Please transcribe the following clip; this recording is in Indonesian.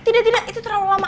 tidak tidak itu terlalu lama